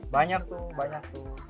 banyak tuh banyak tuh